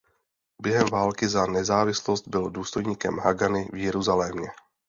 Během války za nezávislost byl důstojníkem Hagany v Jeruzalémě.